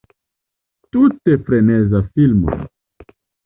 Tute freneza filmo.